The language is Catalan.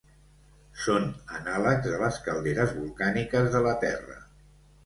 Són anàlegs de les calderes volcàniques de la Terra.